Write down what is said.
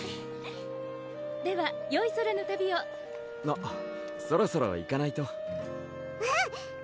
ではよい空の旅をあっそろそろ行かないとうん！